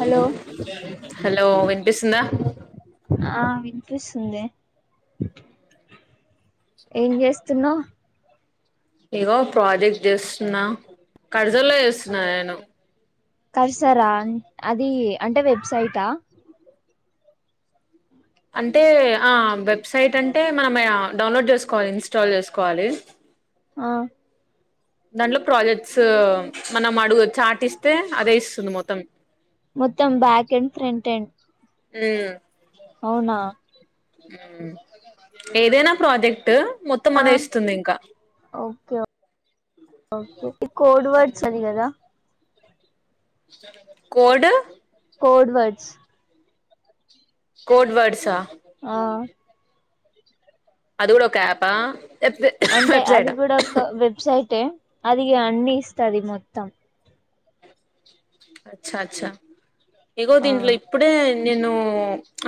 Hello hello వినిపిస్తుందా ఆవి వినిపిస్తుంది ఏం చేస్తున్నావు. ఇగో ప్రాజెక్ట్ చేస్తున్నా, కడజల్లో చేస్తున్నా నేను. కర్సారా అది అంటే వెబ్సైటా? అంటే ఆ వెబ్సైట్ అంటే మనం మ్య డౌన్లోడ్ చేసుకోవాలి, ఇన్స్టాల్ చేసుకోవాలి. ఆ దాంట్లో ప్రాజెక్ట్స్ మనం అడుగు చాటిస్. స్తే అదే ఇస్తుంది మొత్తం. మొత్తం బ్యాక్ అండ్ ఫ్రంట్ అండ్ ఆ అవునా ఉవ్వు ఏదైనా ప్రాజెక్ట్ మొత్తం ఆ అదే ఉమ్ఇస్తుంది ఇంకా. ఓకే ఓకే ఈ కోడ్ వర్డ్స్ అది కదా? కోడు కోడ్వడ్స్ కోడ్ వర్డ్స ఆ ఆ అది కూడా ఒక యపా అంటే అది కూడా ఒక వెబ్సైటే, అది అన్ని ఇస్తది మొత్తం. అచ్చా అచ్చా ఇగో ఆ దీంట్లో ఇప్పుడే. నేను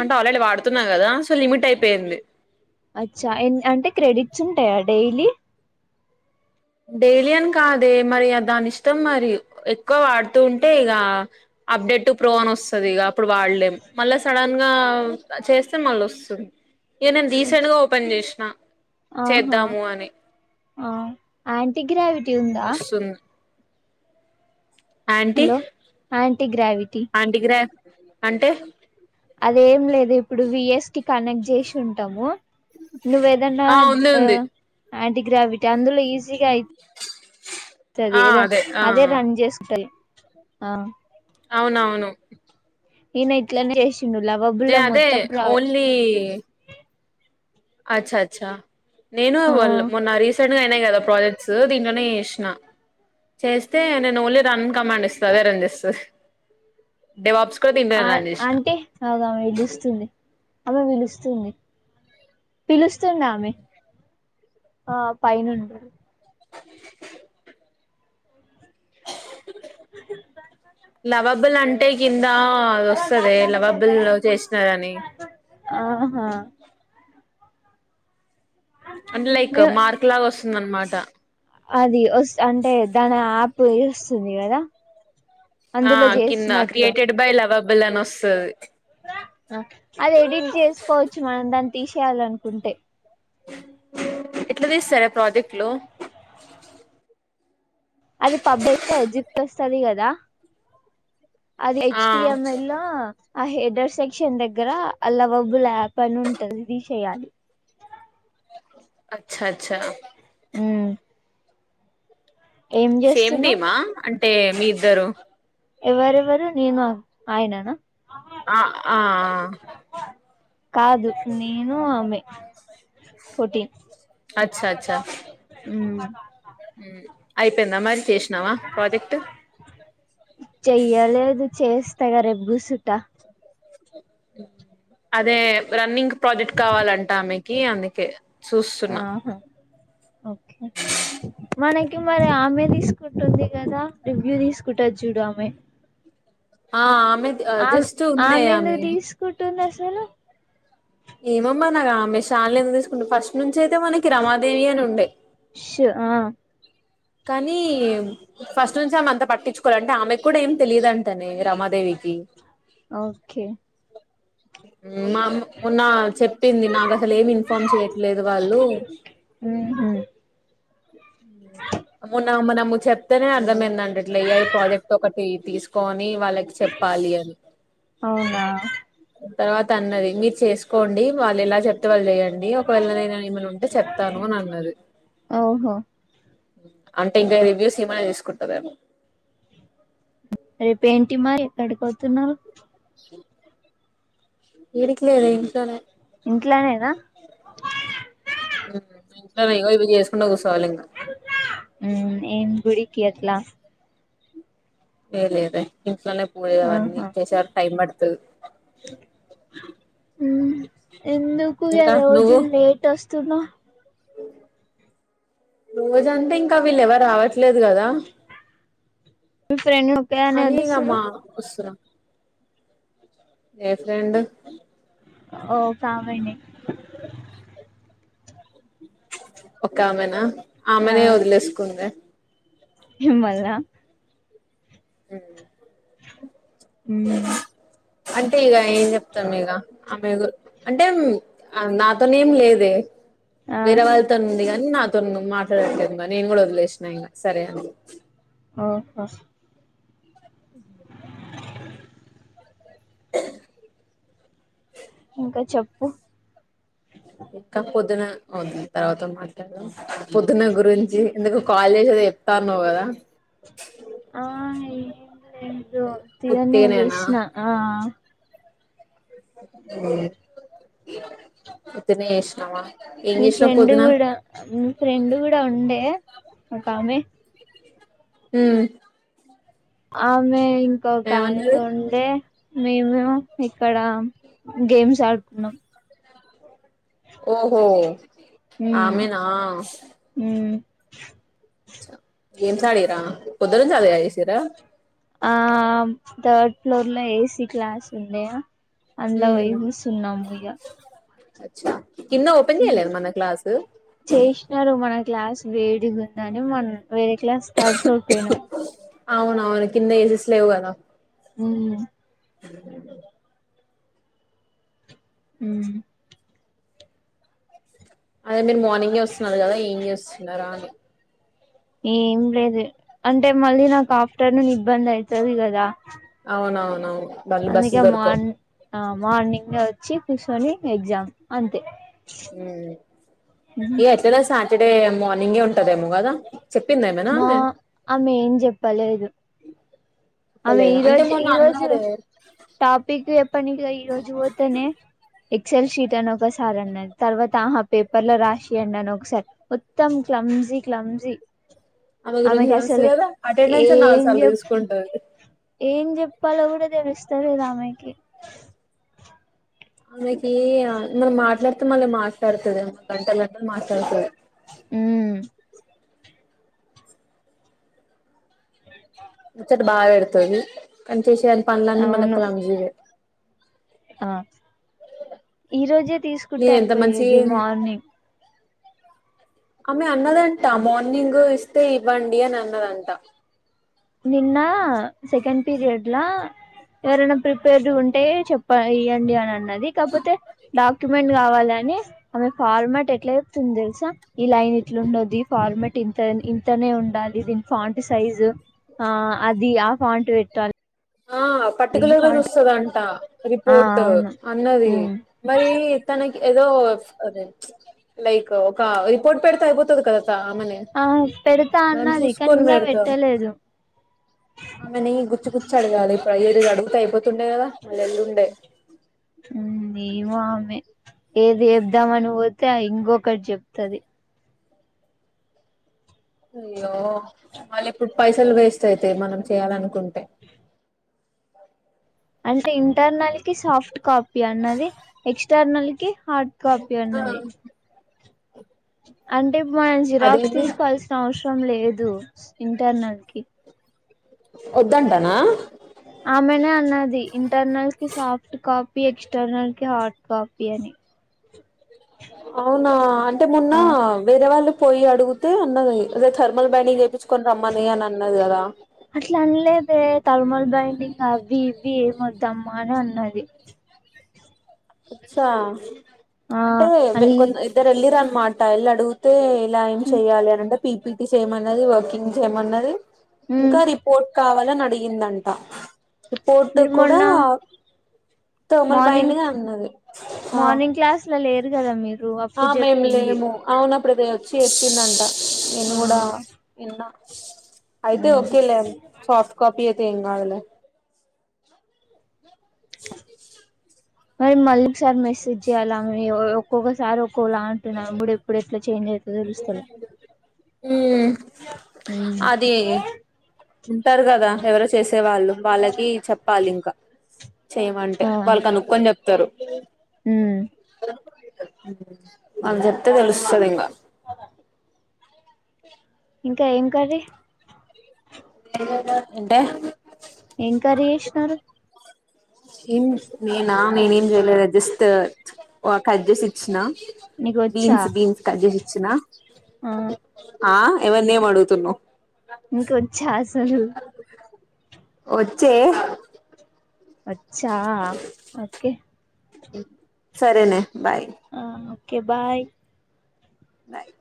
అంటే ఆల్రెడీ ఇలా వాడుతున్నా కదా! సో లిమిట్ అయిపోయింది. అచ్చా యన్ అంటే క్రెడిట్స్ ఉంటాయా డైలీ. డైలీ అని కాదే, మరి దాని ఇష్టం మరి ఎక్కువ వాడుతూ ఉంటే ఇగా. అప్డేట్టూ ప్రో అని వస్తది ఇగ ఇప్పుడు వాడలేం మళ్ళా సడన్ గా చేస్తే మళ్ళ వస్తుం. ఏ నేను రీసెంట్ గా ఓపెన్ చేసిన ఆహా చేద్దాము అని. ఆ ఆంటీగ్రావిటీ ఉందా? వస్తుంది anti hello anti gravity anti గ్రా అంటే? అదేం లేదు ఇప్పుడు విఎస్టి కనెక్ట్ చేసి ఉంటాము. నువ్వేదన్నా ఉంది ఆ ఉంది యాంటీగ్రావిటీ అందులో ఈజీగా అయి. ఆ సరేదా ఆ అదే రన్ చేసుంటాయి ఆ. అవునవును ఈన ఇట్లనే చేసిండు నేను లవాబులం అదే మొత్తం ప్ర. అచ్చ్చచ్చ నేను పొల్ల మొన్న రీసెంట్ నేనే కదా ప్రాజెక్ట్స్ దీంట్లోనే చేస్న చేస్తే నేను ఓన్లీ రన్ కమాండ్ ఇస్త, అదే రన్ చేస్తది డివాబ్స్. ఆ అంటే ఆగుమె పిలుస్తుంది. ఆమె పిలుస్తుంది పిలుస్తుంది ఆమె. ఆ పైనుంటరూ [inaudible] లవాబుల్ అంటే కిం ద అదొస్తదే లవాబుల్ లవ్ చేసినారని. ఆహా అంటే లైక్ మార్క్ లాగా వస్తుంద అనమాట. అది వస్ అంటే దాని యాప్ [unintelligible] స్తుంది గదా? ఆ కింద క్రియేటెడ్ బై లవబుల్ అని ఒస్తది. అది ఎడిట్ జేసుకోవచ్చు మనం దాన్ని తీశేయాలనుకుంటె. ఎట్ల తీస్తారే ప్రాజెక్ట్లు. అది [unintelligible] కదా అది హెచ్ ఆ టీ ఏం ఎల్ లో ఆ హెడర్ సెక్షన్ దెగ్గర అ లవబుల్ యాప్ అని ఉంటది ఇది తీశెయ్యాలి. అచ్చ అచ్చా. మ్మ్ సేమ్ టీమా అంటే మీ ఇద్దరూ. ఎవరెవరు నేను ఆయననా. అ ఆ ఆ కాదు నేనూ ఆమె ఫోటీన్ అచ్చా అచ్చా మ్మ్ అయిపోయింద మరి చేషినవ ప్రాజెక్ట్. చెయ్యలేదు చేస్త ఇగ రేప్గూసుట. అదే రన్నింగ్ ప్రాజెక్ట్ కావాలంట ఆమెకి అందుకే చూస్తున్న. ఆహా ఓకే మనకి మరి ఆమె తీసుకుంటుంది కదా రివ్యూ తీసుకుంటది చూడు ఆమె. ఆ ఆమె ఆమె జస్ట్ ఉండే ఆమె. చలో ఏమో మరి [unintelligible] తీసుకుంటే ఫస్ట్ నుంచి అయితే మనకి రమాదేవి అని ఉండే. షూ ఆ కనీ ఫస్ట్ నుంచి ఆమె అంత పట్టిచుకొలే అంటె ఆమెక్కూడ ఏం తెలియదంటనే రమాదేవి కీ ఓకే మా మొన్నా చెప్పింది నాకసలేం ఇన్ఫార్మ్ చేయట్లేదు వాళ్లు [inaudible] ఉహు మొన్నా మనము చెప్తెనే అర్థం అయిందండి ఇట్ల ఏఐ ప్రాజెక్ట్ ఒకటి తీసుకో అ నీ వాళ్ళకి చెప్పాలి అని. అవునా తర్వాత అన్నది మీరు చేసుకోండి వాళ్ళు ఎలా చెప్తే వాళ్ లేయండి ఒకవేళ నే నేను ఏమన ఉంటె చెప్తాను అని అన్నది. ఓహో అంటే ఇంకా రివ్యూస్ ఈమనే తీసుకుంటదేమో. రేపేంటిమరి ఎక్కడికోతున్నావ్. [inaudible] ఏడికిలేదూ ఇంట్లోనే ఇంట్లనేన. మ్మ్ ఇంట్లనె ఏదో ఒకటి చేసుకుంట కూస్ మ్మ్ ఏం గుడికి అట్లా. ఏ లేదె [unintelligible] అన్ని ఆహా చేసేవరక్ టైం పడుతది. ఉమ్ ఎందుకు ఇగ ఇంకా రోజు నువ్వు లేట్ ఒస్తున్నవ్. రోజంటే ఇంకా వీళ్ళు ఎవరావట్లేదు గదా. మీ ఫ్రెండ్ ఒకేదానివే అనీ వదిలేస్తుర్రు అమ్మా ఒస్తున ఏ ఫ్రెండు ఓ కామెనె. [inaudible] ఒక్కామెనా ఆమెనే ఒదిలేస్కుంద. మిమ్మల్న. ఉ ఉమ్ అంటే ఇగ ఏం చెప్తవ్ ఇగ. ఆమె అంటే నాతోనేం లేదే ఆ వేరే వాళ్ళతోన్ అ కాని నాతో మాట్లాడలేదు నేను కూడా వదిలేసినా ఇంక సరే అ ఓ ఫ [inaudible] ఇంకా చెప్పు ఇంకా పొద్దున అవుంది తర్వాత మాట్లాడ పొద్దున గురించి ఎందుకు కాలేజ్ చెప్తనంవ్ గా ఆ ఏ తయనే ఉత్తిగనేనా కష్ణ ఆ ఇత్తినష్వా మీ ఫ్రెండ్ కూడా మీ ఫ్రెండ్ కూడా ఉండే ఒక ఆమె హమ్ ఆమె ఇంకా కానీ ఏమన్నది త ఉండే మేము ఇక్కడ గేమ్స్ ఆడుకున్నాం ఓహో ఉమ్ ఆనా ఉమ్ ఏం సడరా కుద్దురం చాలా చేయిసరా ఆ థర్డ్ ఫ్లోర్ లో ఏసీ క్లాస్ ఉంది అం [unintelligible] అ కన్న ఓపెన్ క్లాస్ చేసినారు మన క్లాస్ వేడి ఉందని మనం వేరే క్లాస్ థర్డ్ ఫ్లోర్ పోయినాం అవున అవును కింద ఏసెస్ లేవుగాద ఉ ఉ అదే మీరు మార్నింగ్ వస్తున్నారు కదా ఈంగ్ వస్తున్నారా అని ఏం లేదు అంటే మళ్ళీ నాకు ఆఫ్టర్నూన్ ఇబ్బంది అవుతుది కదా అవునవున అవును మళ్ళీ బస్ అందుకే దొర్కో మార్ ఆ మార్నింగ్ వచ్చి కూర్చొని ఎగ్జామ్ అంతే ఇ ఎట్లదా సాటర్డే మార్నింగే ఉంటదేమో కదా చెప్పిందా ఏమైనా మా ఆమె ఆమె ఏం చెప్పలేదు అమె ఈ చెప్పలేదా అంటే రోజ మొన్న ఈ రోజ అన్నారే టాపిక్ ఏప్ప ఈరోోజు తనే ఎక్సల్ షీట్ అని ఒకసారి అన్న తర్వాత ఆహా పేపర్ లో రాసియంండి అని ఒకసారి మొత్తం క జ కలాంజి ఆమె గురించి తెలుసు కసల కదా అటెండెన్స్ నాలుగు సార్లు తీసుకుంటది వాళ్ళ కూడా తెలుస్తారు ఇామాయకి మనకి మనం మాట్లాడుతే మళ్ళీ మాట్లాడుతుంది గంటలు గంటలు మాట్లాడుతుంది అ చ్చట బాగా పెడుతుంది కానీ చేసేని పనులన్నీ అవును మళ్లెక్కలాం జీవ ఆ ఈ రోజే తీసుకుంటే నేను అ ఎంత పోయేది మంచిగా మార్నింగ్ ఆమె అన్నదంట మార్నింగ్ ఇస్తే ఇవ్వండి అని అన్నదంట నిన్న సెకండ్ పీరియడ్లా ఎవరైనా ప్రిపేర్డ్ ఉంటే చెప్ప ఇవ్యండి అని అన్నది కాకపోతే డాక్యుమెంట్ కావాలని ఆమె ఫార్మట్ ఎట్లాతుంది తెలుసా ఈ లైన్ ఎట్లా ఉండద్దు ఈ ఫార్మట్ ఇంత ఇంతనే ఉండాలి దీని పాంంట సైజు ఆ అది ఆ ఫంట్ పెట్టాలి ఆ ఈ పర్టికులర్ గా ఫాంట్ చూస్తదంట ఆ రిపోర్ట్ అవును అన్నది ఉమ్ మరి తనకి ఏదో లైక్ ఒక రిపోర్ట్ పెడితే అయిపోతుంది కదా మ ఆ పెడతా మ అన్నది కానీ చూసుకని ఇంకా పోతే పెట్టలేదు ఆమె న గుచ్చు గుచ్చు అడిగా అ ఇప్పుడు ఏది అడుగుత అయిపోతుండే కదా మళ్ రేల్లుండే ఉమ్ ఏమో ఆమె ఏది జెబ్ దామని బోతే ఇంకొకటి చెప్తది అయ్యో మళ్ళీ ఇప్పుడు పైసలు వేస్ట్ అయితయి మనం చేయాల అనుకుంటు [unintelligible] అంటే ఇంటర్నల్ కి సాఫ్ట్ కాపీ అన్నది. ఎక్స్టర్నల్ కి హార్డ్ కాపీ ఆ అన్నది. అంటే మనం జీరాక్స్ అదేంది తీసుకోవాల్సిన అవసరం లేదు. లేదు ఇంటర్నల్ కి వద్దంటనా ఆమెనే అన్నది. ఇంటర్నల్ కి సాఫ్ట్ కాపీ ఎక్స్టర్నల్ కి హార్డ్ కాపీ అని అవునా అంటే మొన్న ఆ వేరే వాళ్ళు పోయి అడుగుతే అన్నది అదే థర్మల్ బైండింగ్ జేప్పిచ్చు కొని రమ్మని అనన్నది గదా అట్లా అనలేదే థర్మల్ బైండింగ్ అవి ఇవి ఏం వద్దమ్మా అని అన్నది. అచ్చా ఆ అంటే అది కొ ఇద్దరు వెళ్ళిరన్నమాట వెళ్ళడుగుతే ఇలా ఏం చేయాలి. అంటే పిపిటీ చేయమన్నది. వర్కింగ్ చేయమన్నది. ఇంకా రిపోర్ట్ కావా లి అని అడిగిందంట రిపోర్ట్ మీరు కూడా మొన్న థర్మల్ మార్నింగ్ బైండింగ్ అన్నది. ఆ మార్నింగ్ క్లాస్ లో లేరు గదా మీరు ఆ అప్పుడు మేము చెప్పింది లేము అవును అప్పుడప్పే వచ్చి చెప్పిందంట నేను ఆ గూడా ఇన్నా అయితే ఓకే లే సాఫ్ట్ కాపీ ఎ ఏం గాదులే మరి మళ్ళీ ఒకసారి మెసేజ్ చెయ్యాల ఆమె ఒ ఒక్కొక్కసారి ఒక్కోలా అంటుంది ఆమె మూడు ఎప్పుడు ఎట్ల చేంజ్ అయితదో తెలుస్తలే మ్మ్ అది ఉంటారు గదా ఎవరో చేసే వాళ్ళు వాళ్ళకి చెప్పాలింకా చేయమంటే ఆ వాళ్ళు కనుక్కొని జెప్తరు. ఉమ్ వాళ్ళు జెప్తే దెలుస్తదింగా [inaudible] ఇంకా ఏం కర్రీ ఏంటే ఏం కర్రీ చేసినారు ఏం నేనా నేనేం చేయలేదే జస్ట్ ఒ కడ్జేసిచ్చినా నీకు వచ్చా బీన్స్ బీన్స్ కడ్జేసిచ్చినా ఆ ఆ ఎవర్ని ఏం అడుగుతున్నావ్ నీకొచ్చా అసలు వచ్చే అచ్చా ఓకే సరేనే బాయ్ ఓకేే బాయ్ బాయ్